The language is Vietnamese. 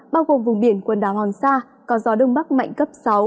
bao gồm vùng biển quần đảo hoàng sa có gió đông bắc mạnh cấp sáu